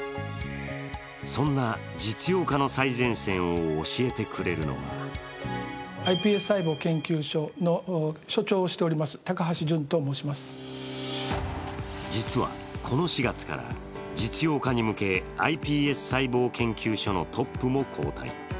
そんな実用化の最前線を教えてくれるのは実はこの４月から、実用化に向けｉＰＳ細胞研究所のトップも交代。